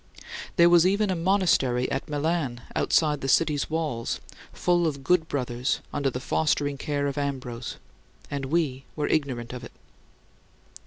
There was even a monastery at Milan, outside the city's walls, full of good brothers under the fostering care of Ambrose and we were ignorant of it.